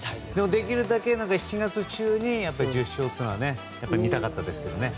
できるだけ７月中に１０勝というのが見たかったですけどね。